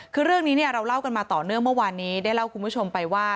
คือเรื่องนี้เนี่ยเราเล่ากันมาต่อเนื่องเมื่อวานนี้ได้เล่าคุณผู้ชมไปว่า